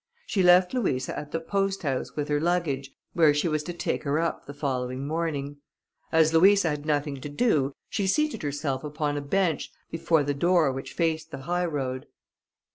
She left Louisa at the post house, with her luggage, where she was to take her up the following morning. As Louisa had nothing to do, she seated herself upon a bench before the door which faced the high road.